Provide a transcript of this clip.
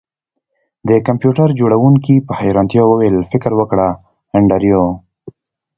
د کمپیوټر جوړونکي په حیرانتیا وویل فکر وکړه انډریو